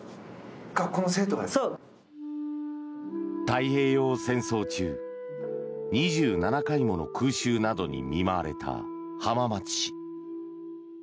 太平洋戦争中２７回もの空襲などに見舞われた浜松市。